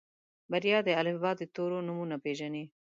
بريا د الفبا د تورو نومونه پېژني.